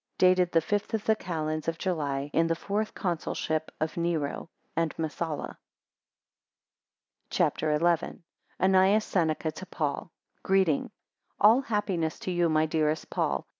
Dated the fifth of the calends of July, in the fourth Consulship of Nero, and Messala. CHAPTER XI. ANNAEUS SENECA to PAUL Greeting. ALL happiness to you, my dearest Paul.